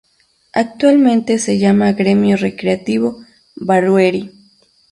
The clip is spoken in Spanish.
Actualmente se llama Grêmio Recreativo Barueri.